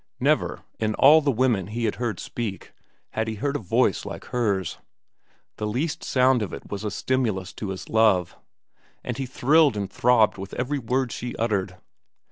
Never, in all the women he had heard speak, had he heard a voice like hers. The least sound of it was a stimulus to his love, and he thrilled and throbbed with every word she uttered.